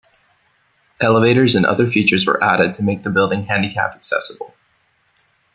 Elevators and other features were added to make the building handicapped accessible.